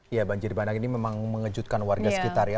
ya banjir bandang ini memang mengejutkan warga sekitar ya